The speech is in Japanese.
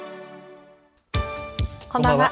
こんばんは。